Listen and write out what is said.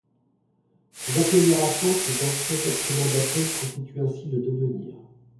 Ces agglomérations et ces enchevêtrements d’atomes constituent ainsi le devenir.